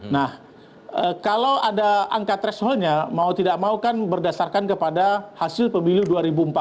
nah kalau ada angka thresholdnya mau tidak mau kan berdasarkan kepada hasil pemilu dua ribu empat belas